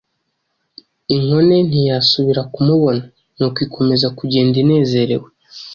inkone ntiyasubira kumubona; nuko ikomeza kugenda inezerewe.